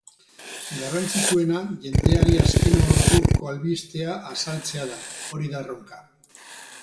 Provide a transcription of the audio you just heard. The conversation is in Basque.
Garrantzitsuena jendeari azken orduko albistea azaltzea da, hori da erronka.